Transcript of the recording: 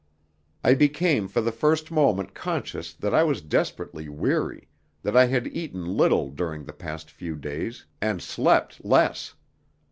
I became for the first moment conscious that I was desperately weary, that I had eaten little during the past few days, and slept less.